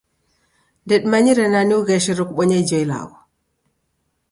Ndedimanyire nani ugheshero kubonya ijo ilagho.